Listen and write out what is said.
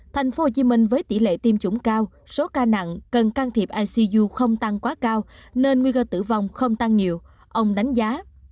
thành phố hồ chí minh với tỷ lệ tiêm chủng cao số ca nặng cần can thiệp icu không tăng quá cao nên nguy cơ tử vong không tăng nhiều ông đánh giá